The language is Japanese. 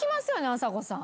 あさこさん。